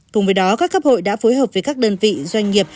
cùng với đó các cấp hội đã phối hợp với các đơn vị doanh nghiệp